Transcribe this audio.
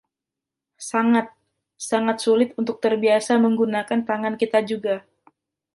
Sangat, sangat sulit untuk terbiasa menggunakan tangan kita juga.